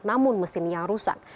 namun mesin yang rusak